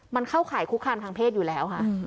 มันเข้าข่ายคุกคามทางเพศอยู่แล้วค่ะ